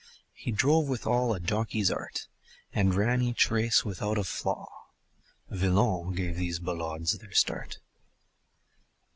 He drove with all a jockey's art And ran each race without a flaw Villon gave these ballades their start.